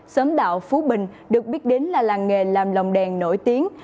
xóm đạo phú bình được biết đến là làng nghề làm lồng đèn nổi tiếng